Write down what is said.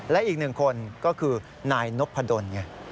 และอีกหนึ่งคนก็คือนายนพดลไง